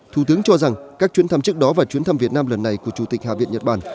thủ tướng cho rằng các chuyến thăm trước đó và chuyến thăm việt nam lần này của chủ tịch hạ viện nhật bản